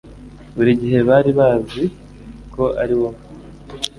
Buri gihe bari bazi ko ariwowe